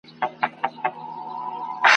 پکښی ځای سوي دي !.